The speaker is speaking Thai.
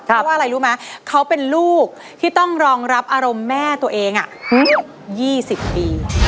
เพราะว่าอะไรรู้ไหมเขาเป็นลูกที่ต้องรองรับอารมณ์แม่ตัวเอง๒๐ปี